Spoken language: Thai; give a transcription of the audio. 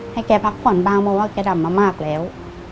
ให้แกพักผ่อนบ้างเพราะว่าแกดำมามากแล้ว